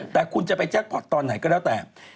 แต่คุณจะไปแจ็คพอร์ตตอนไหนก็แล้วแต่